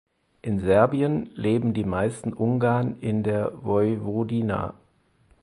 In Serbien leben die meisten Ungarn in der Vojvodina.